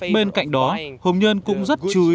bên cạnh đó hùng nhơn cũng rất chú ý